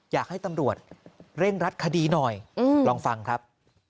อยากให้ตำรวจเร่งรัดคดีหน่อยลองฟังครับ